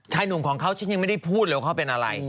หนุ่มของเขาฉันยังไม่ได้พูดเลยว่าเขาเป็นอะไร